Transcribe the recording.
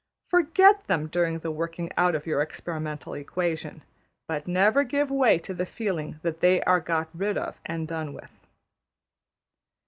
Forget them during the working out of your experimental equation; but never give way to the feeling that they are got rid of and done with.